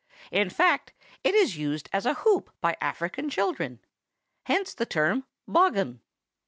In fact, it is used as a hoop by African children; hence the term 'bogghun.